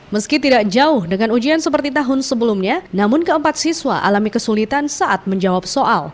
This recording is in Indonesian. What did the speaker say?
meski tidak jauh dengan ujian seperti tahun sebelumnya namun keempat siswa alami kesulitan saat menjawab soal